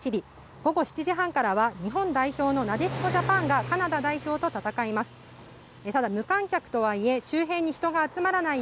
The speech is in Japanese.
午後７時半からは日本代表のなでしこジャパンがカナダ代表と戦います。